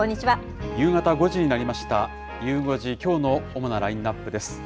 夕方５時になりました、ゆう５時、きょうの主なラインアップです。